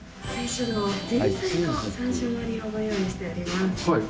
前菜の３種盛りをご用意しております。